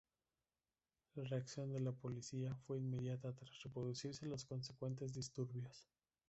La reacción de la policía fue inmediata tras producirse los consecuentes disturbios.